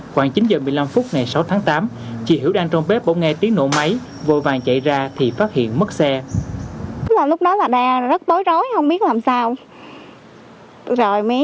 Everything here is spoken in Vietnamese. khoảng chín h một mươi năm phút ngày sáu tháng tám chị hiểu đang trong bếp bỗng nghe tiếng nổ máy